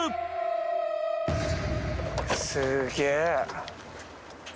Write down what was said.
・すげえ。